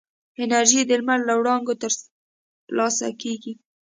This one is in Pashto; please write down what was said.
انرژي د لمر له وړانګو ترلاسه کېږي.